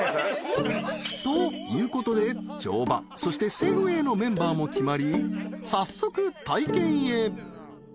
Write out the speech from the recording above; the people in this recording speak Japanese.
［ということで乗馬そしてセグウェイのメンバーも決まり早速体験へ］